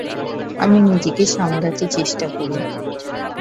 আমি নিজেকে সামলাতে চেষ্টা করি।